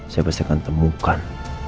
saya pasti akan temukan